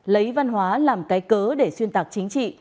lấy văn hóa làm cái cớ để xuyên tạc chính trị